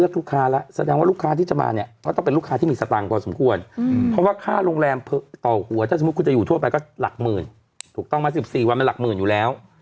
ถูกต้องมา๑๔วันมันหลักหมื่นอยู่แล้ว